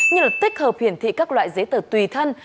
như là tích hợp hiển thị các loại giấy tờ tùy thân